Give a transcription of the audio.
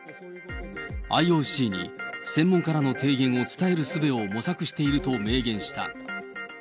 ＩＯＣに専門家らの提言を伝えるすべを模索していると明言した。